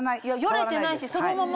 よれてないしそのまま。